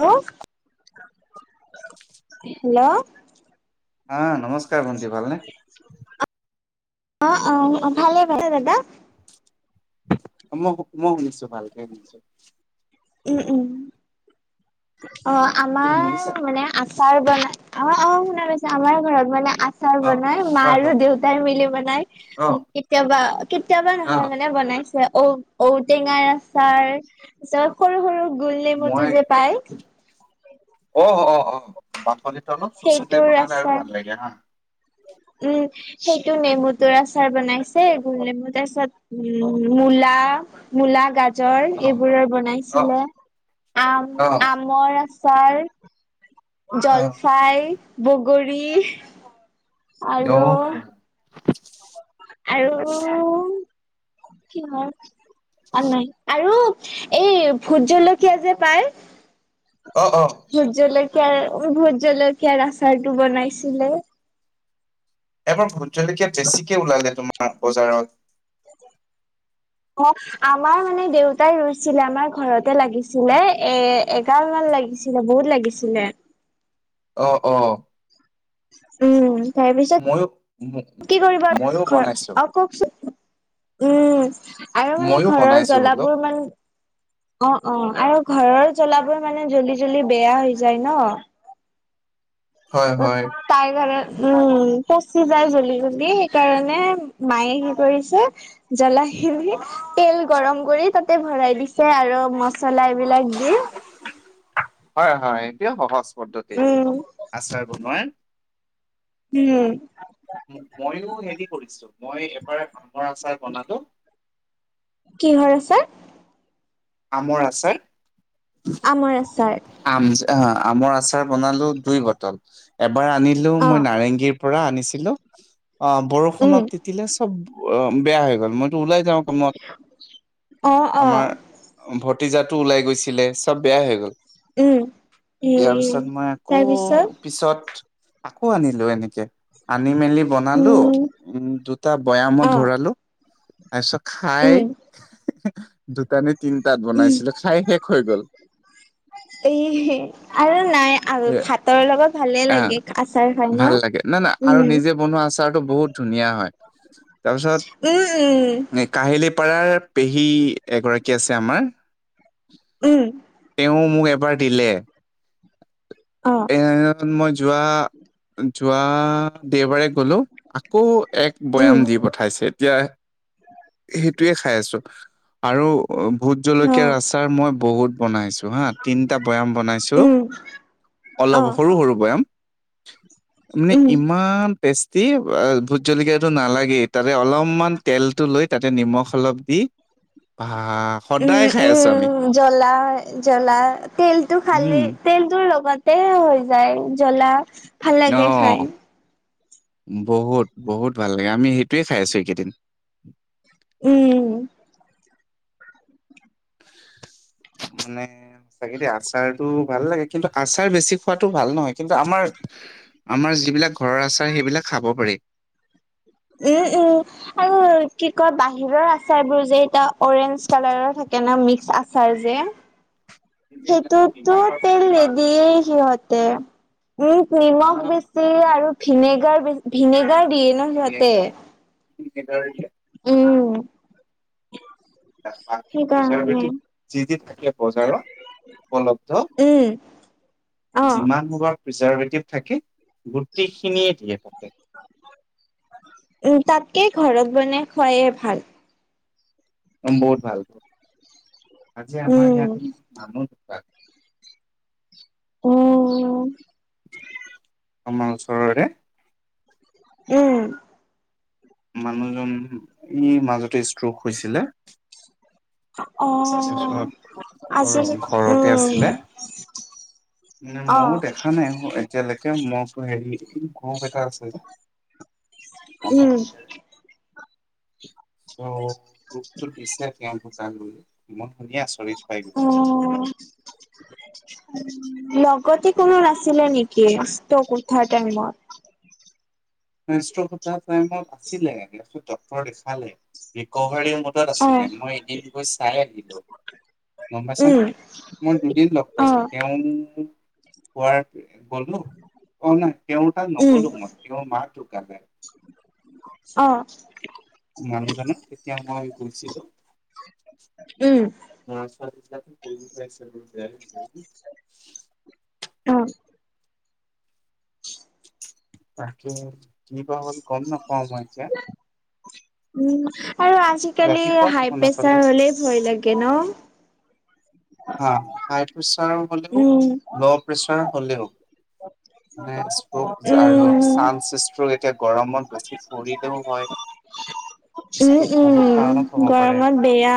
Hello hello. আ নমস্কাৰ ভন্তি ভালনে? অ অ ভালে ভালে দাদা। মই মই শুনিছোঁ ভালকে শুনিছোঁ। উম উম। অ তুমি শুনিছা? আমাৰ মানে আচাৰ বনাই আমাৰ অ শুনা পাইছা, আমাৰ ঘৰত মানে আচ আচাৰ অ বনাই মা হয় আৰু হয় দেউতাই মিলি বনাই, অ কেতিয়াবা কেতিয়াবা অ নহয় মানে বনাইছে ঔ ঔ টেঙাৰ আচাৰ তাৰপিছত সৰু সৰু গোল নেমুটো যে পায়। অহ অহ অহ বাকলিটো অলপ চচি লৈ সেইটোৰ বনালে আৰু আচাৰ ভাল লাগে হা। উম সেইটো নেমুটোৰ আচাৰ বনাইছে গুল নেমু তাৰপিছত উম মূলা মূলা, গাজ গাজৰ অ এইবোৰৰ অ বনাইছিলে, আম অ অ আমৰ আচাৰ জলফাই, বগৰী অ আৰু আৰু কিহৰ? আৰু নাই আৰু এই ভোট জলকীয়া যে পায় অ অ। ভোট জলকীয়াৰ ভোট জলকীয়াৰ আচাৰটো বনাইছিলে। এবাৰ ভোট জলকীয়া বেছিকে ওলালে তোমাৰ বজাৰত। অ আমাৰ মানে দেউতাই ৰুইছিলে আমাৰ ঘৰতে লাগিছিলে এ এগাল মান লাগিছিলে বহুত লাগিছিলে। অ অ। উম ময়ো তাৰপিছত কি কৰিব ময়ো বনাইছো অ কৱকচোন? উম আৰু মানে ময়ো ঘৰৰ বনাইছো বোলো জ্বলাবোৰ মান অ অ আৰু ঘৰৰ জ্বলাবোৰ মানে জলি জলি বেয়া হৈ যায় ন হয় [unintelligible] হয় প্ৰায়ে ঘৰত উম পচি যায় জলি জলি সেইকাৰণে মায়ে কি কৰিছে জ্বলা খিনি তেল গৰম কৰি তাতে ভৰাই দিছে আৰু মছলা এইবিলাক দি। হয় হয় এইটোৱে সহজ পদ্ধতি উম, আচাৰ বনোৱাৰ। উম। মোক মইয়ো হেৰি কৰিছো মই এবাৰ আমৰ আচাৰ বনালো। কিহৰ আচাৰ? আমৰ আচাৰ। আমাৰ আচাৰ। আম আ আমৰ আচাৰ বনালো দুই বটল। এবাৰ আনিলো মই অ', নাৰেংগীৰ পৰা আনিছিলোঁ। অ উম, বৰষুণত তিতিলে চব অ বেয়া হৈ গ'ল মইতো ওলাই যাওঁ কামত। অ অ। ভতিজাতো ওলাই গৈছিলে চব বেয়া হৈ গ'ল। উম। ইয়াৰ উম, পিছত মই আকৌ তাৰপিছত পিছত আকৌ আনিলো এনেকে। আনি মেলি বনালো উম, উম দুটা বয়ামত অ', ধৰালো তাছত খাই উম। দুটানে তিনটাত বনাইছিলো খাই শেষ হৈ গ'ল। [unintelligible] এইয়ে হে আৰু নাই আৰু এ ভাতৰ লগত ভালে আহ লাগে আচাৰ খাই ভাল ন? লাগে না না উম, আৰু নিজে বনোৱা আচাৰটো বহুত ধুনীয়া হয়। তাৰপিছত উম, নেক- কাহিলীপাৰাৰ পেহী এগৰাকী আছে আমাৰ। উম। তেওঁ মোক এবাৰ দিলে। অ। এ মই যোৱা যোৱা দেওবাৰে গলো আকৌ এক উম, বয়াম দি পঠাইছে এতিয়া সেট- টোয়ে খাই আছো আৰু ভোত জলকীয়া অ', আচাৰ মই বহুত বনাইছো হা তিনিটা বৈয়াম বনাইছো উম, অলপ অ', সৰু সৰু বৈয়াম মানে ইম- উম, ইমান টেষ্টি ভোট জলকীয়াটো নালাগেই তাতে অলপমান তেলটো লৈ তাতে নিমখ অলপ দি ভা উম উম জ্বলা জ্বলা তেলটো উম, খালেই তেলটোৰ লগতে হৈ যায় জ্বলা ভাল ন লাগে খাই। বহুত বহুত ভাল লাগে আমি সেইটোৱে খাই আছো এইকেইদিন। উম। মানে চাগে দেই আচাৰটো ভাল লাগে কিন্তু আচাৰ বেছি খোৱাতো ভাল নহয় কিন্তু আমাৰ আমাৰ যিবিলাক ঘৰৰ আচাৰ সেইবিলাক খাব পাৰি। উম উম। আৰু কি কয় বাহিৰৰ আচাৰ বোৰ যে এতিয়া অৰেঞ্জ কালাৰৰ থাকে ন মিক্স আচাৰ যে কিন্তু এইবিলাকত সেইটোতো নিমখৰ তেল পৰিমাণ নিদিয়েই সিহঁতে উ নিমখ আহ, বেছ- সেইয়ে আৰু ভিনেগাৰ বেছ ভিনেগাৰ দিয়ে ন সিহঁতে। ভিনেগাৰ ভিনেগাৰ দিয়ে। উম। বাকী সেইকাৰণে প্ৰিজাৰভেটিভ যি যি থাকে বজাৰত উপলব্ধ। উম। অ'। যিমান মোবাৰ প্ৰিজাৰ্ভেটিভ থাকে গোটেইখিনিয়ে দিয়ে তাতে। উম, তাতকে ঘৰত বনাই খুৱাইয়ে ভাল। উম বহুত ভাল পাওঁ, আজি আমাৰ উম, ইয়াতে মানুহ ঢোকাল। অ। আমাৰ ওচৰৰে উম। মানুহ এজন ই মাজতে ষ্ট্ৰক হৈছিলে। অ', তাছত ঘৰ আজি ঘৰতে উম, আছিলে। মানে ময়ো অ', দেখা নাই [unintelligible] এতিয়ালেকে মই ক হেৰি ঘোপ এটা আছে যে আমাৰ উম। ত গ্ৰুপতো দিছে তেওঁ ঢোকাল বুলি মই শুনীয়ে আচৰিত পাই গ'লো। উম, লগতে কোনো নাছিলে নেকি তই কোঠা টাইমত? মানে ষ্টক হোটা টাইমত আছিলে ব্যস্ত ডক্টৰক দেখালে ৰিকভাৰী টাইমত তত অ', আছিলে মই এদিন গৈ চাই আহিলো। গম পাইছানে? উম, মই দুদিন লগ পাইছো। অ', তেওঁ কোৱাৰ গলো অ নাই তেওঁৰ তাক উম, নগলো মই তেওঁৰ মাক ঢোকালে। অ। মানুহজনৰ তেতিয়া মই গৈছিলোঁ। উম। [unintelligible] অ। তাকে কি বা হ'ল গম নাপাও মই এতিয়া। উম আৰু আজিকালি ৰাতিপুৱা হাই শুনা পালো প্ৰেচাৰ হ'লেই ভয় লাগে ন? অ হাই প্ৰেছাৰ হ'লেও, উম ল' প্ৰেচাৰ হলেও। মানে ষ্পৌক আৰু উম চান্স ষ্ট্ৰক এতিয়া গৰমত বেছি ফুৰিলেও হয়। উম, ষ্ট্ৰক বহুত উম, কাৰণত হ'ব পাৰে গৰমত বেয়া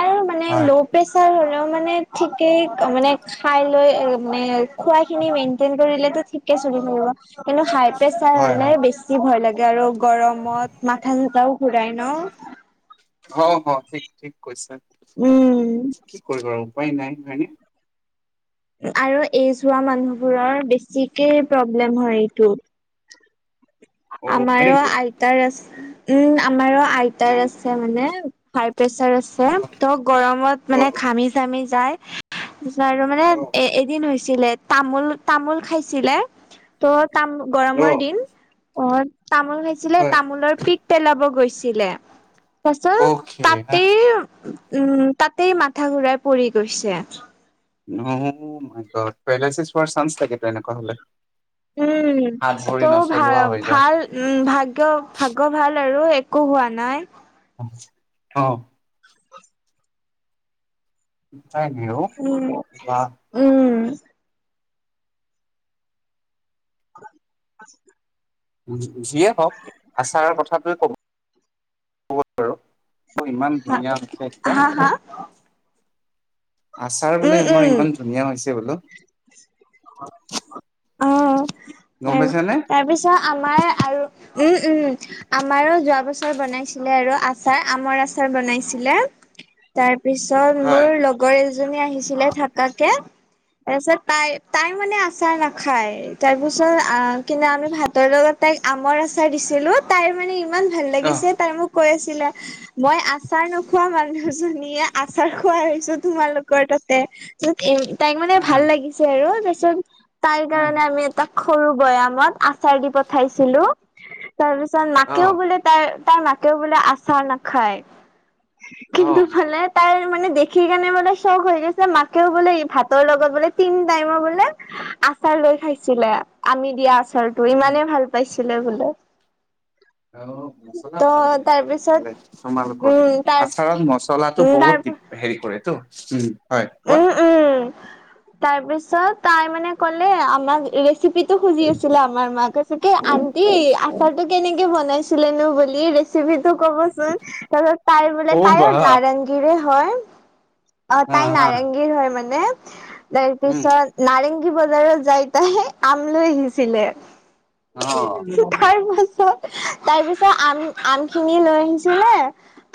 আৰু মানে ল হয় প্ৰেছাৰ হ'লেও মানে ঠিকেই মানে খাই লৈ এ মানে খোৱা খিনি মেইনটেইন কৰিলেতো ঠিকে চলি থাকিব। কিন্তু হাই প্ৰেছাৰ হয় হ'লে হয় বেছ- বেছি ভয় লাগে আৰু গৰমত মাথা সাথাও ঘূৰাই ন? হ হ ঠিক ঠিক কৈছা উম কি কৰিব আৰু উপায় নাই হয়নে? আৰু এইজ হোৱা মানুহবোৰৰ বেছিকে প্ৰব্লেম হয় এইটো‌। অ হয় আমাৰো নেকি আইতাৰ আছে উম আমাৰো আইতাৰ অ আছে মানে হাই প্ৰেচাৰ আছে ত গৰমত মানে ঘামি চামি যায় আৰু মানে এ এদিন হৈছিলে তামোল তামোল খাইছিলে ত তাম গৰমৰ দিন অ তামোল খাইছিলে হয়, তামোলৰ পিক পেলাব গৈছিলে। পাছত অ'কে হা তাতেই উম তাতেই মাথা ঘূৰাই পৰি গৈছে। অ মাই গড পেৰেলাইছিছ হোৱাৰ চান্স থাকে এনেকুৱা হ'লে। উম হাত ত ভৰি ভাল নচলোৱা হৈ যোৱাৰ ভাল চান্স। উম ভাগ্য ভাগ্য ভাল আৰু একো হোৱা নাই। অহ অ। হয় নে? উম উম। [inaudible] যিয়ে হওক আচাৰ কথাটো ক'ব ক'ব আৰু। ত ইমান ধুনীয়া বিশেষ টা হা হা আচাৰ বোলে উম আমাৰ উম ইমান ধুনীয়া হৈছে বোলো। অ গম পাইছা নে? তাৰ পিছত আমাৰ আৰু উম উম। আমাৰো যোৱা বছৰ বনাইছিলে আৰু আচাৰ আমৰ আচাৰ বনাইছিলে। তাৰপিছত মোৰ হয়, লগৰ এজনী আহিছিলে থাকাকে। তাৰ পিছত তাই তাই মানে আচাৰ নাখায় তাৰপিছত আহ কিন্তু আমি ভাতৰ লগত তাইক আমৰ আচাৰ দিছিলো তাইৰ মানে ইমান ভাল অ' লাগিছে তাই মোক কৈ আছিলে মই আচাৰ নোখ- খোৱা মানুহজনীয়ে আচাৰ খুৱাই হৈছো তোমালোকৰ তাতে। তাইক মানে ভাল অ' লাগিছে আৰু তাৰপিছত তাইৰ কাৰণে আমি এটা সৰু বৈয়াম মত আচাৰ দি পঠাইছিলো তাৰপিছত মাকেও অ' বোলে তাই তাৰ মাকেও বোলে আচাৰ নাখায় অ' কিন্তু বোলে তাইৰ মানে দেখি কেনে বোলে শখ হৈ গৈছে মাকেও বোলে ভাতৰ লগত বোলে তিনি টাইমৰ বোলে আচাৰ লৈ খাইছিলে আমি দিয়া আচাৰটো উম। ইমানে ভাল পাইছিলে বোলে। অ মছলা ভাল দি ত' আছ- থাকে তাৰপিছত নহ'লে তোমালোকৰ উম তাৰ আচাৰত মছলাটো উম তাৰ বহুত দি- হেৰি কৰেতো, উম হয় কোৱা? উম উম তাৰপিছত তাই মানে ক'লে আমাক ৰেচ- চেপিটো খুজি আছিলে আমাৰ মাক চিকে আন্টি আচাৰ টো কেনেকে বনাইছিলেনো বুলি ৰেচ- পিতো কবচোন তাইবোৰত তাই বোলে অ বা তাইও নাৰায়ংগিৰে হয়। অ হা তাই হা নাৰেংগীৰ হয় মানে তাৰ উম পিছত নাৰেংগী বজাৰত যাই তাই আম লৈ আহিছিলে অ [unintelligible] তাৰ পাছত তাৰ পিছত আম আম খিনি লৈ আহিছিলে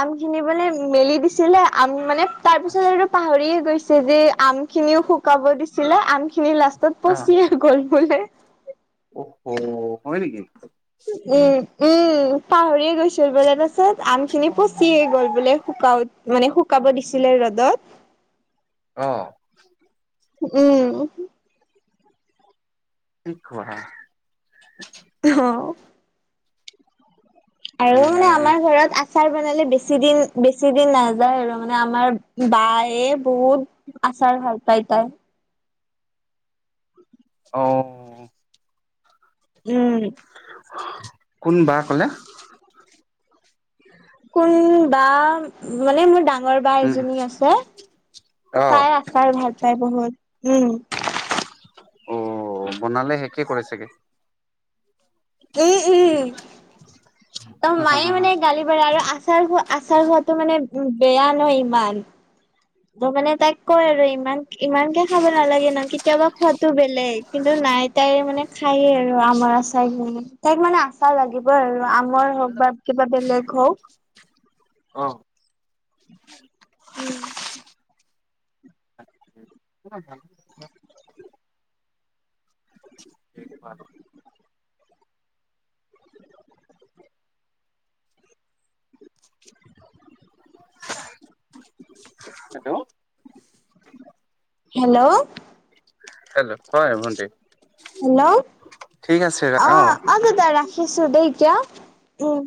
আম খিনি মানে মেলি দিছিলে আম মানে তাৰ পিছত এইটো পাহৰিয়ে গৈছে যে আম খিনিও শুকাব দিছিলে আম খিনি লাষ্ট তাত পচিয়ে গ'ল বোলে। অ হো হয় নেকি? উম উম পাহৰিয়ে গৈছিল বোলে তাৰ পিছত আমখিনি পচিয়ে গ'ল বোলে শুকাওত মানে শুকাব দিছিলে ৰ'দত অ। উম। কি খোৱা অ। আৰু এ মানে আমাৰ ঘৰত আচ- চাৰ বনালে বেছি দিন বেছি দিন নাযায় আৰু মানে আমাৰ বায়ে বহুত আচাৰ ভাল পাই তাই। অ। উম। কোন বা কলে? কোন বা মানে মোৰ ডা- ডাঙৰ বা উম এজনী আছে অ তাই আচাৰ ভাল পায় বহুত উম। অ বনালে সেকে কৰে চাগে? উম উম ত মায়ে মানে গালি পাৰ আৰু আচাৰ খোৱা আচাৰ খোৱাটো মানে বেয়া ন ইমান। ত মানে তাইক কয় আৰু ইমান ইমানকে খাব নালাগে না কেতিয়াবা খোৱাত টো বেলেগ কিন্তু নাই তাই মানে খায়েই আৰু আমৰ আচাৰবোৰ তাইক মানে আচ- চাৰ লাগিব আৰু আমৰ হওক বা কিবা বেলেগ হওক। অ। উম উহ। [unintelligible] [unintelligible] [unintelligible] হেল্ল' হেল্ল' হেল্ল' হয় ভণ্টি হেল্ল' অ অ দাদা ৰাখিছো দেই এতিয়া উম।